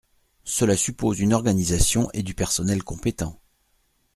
Cela suppose une organisation et du personnel compétent.